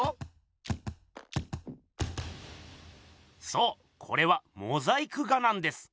そうこれはモザイク画なんです。